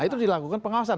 nah itu dilakukan pengawasan